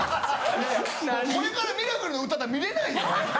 これからミラクルの宇多田見れないよ！